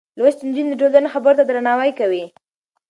لوستې نجونې د ټولنې خبرو ته درناوی کوي.